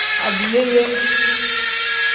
Adiyeeye.